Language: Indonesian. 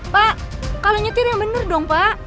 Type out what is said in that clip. pak kalian nyetir yang bener dong pak